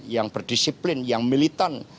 yang berdisiplin yang militan